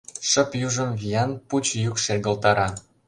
Шып южым виян пуч йӱк шергылтара...